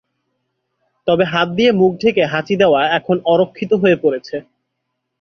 তবে হাত দিয়ে মুখ ঢেকে হাঁচি দেয়া এখন অরক্ষিত হয়ে পড়েছে।